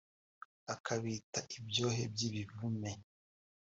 akabita ibyohe by’ibivume